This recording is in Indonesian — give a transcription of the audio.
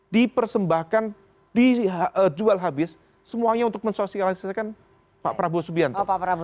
dipersembahkan dijual habis semuanya untuk mensosialisasikan pak prabowo subianto